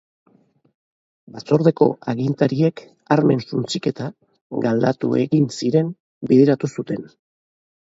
Batzordeko agintariek armen suntsiketa –galdatu egin ziren– bideratu zuten.